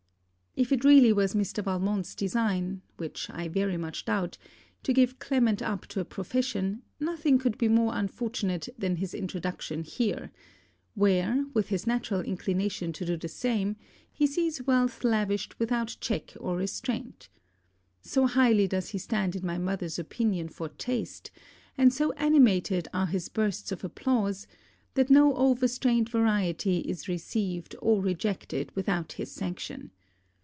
If it really was Mr. Valmont's design (which I very much doubt) to give Clement up to a profession, nothing could be more unfortunate than his introduction here where, with his natural inclination to do the same, he sees wealth lavished without check or restraint. So highly does he stand in my mother's opinion for taste, and so animated are his bursts of applause, that no overstrained variety is received or rejected without his sanction.